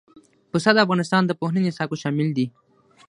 پسه د افغانستان د پوهنې نصاب کې شامل دي.